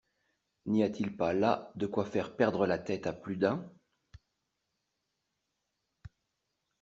N’y a-t-il pas là de quoi faire perdre la tête à plus d’un ?